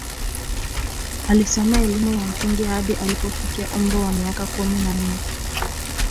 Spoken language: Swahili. Alisoma elimu ya msingi hadi alipofikia umri wa miaka kumi na nne